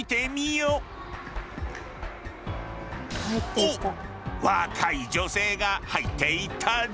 おっ若い女性が入っていったぞ。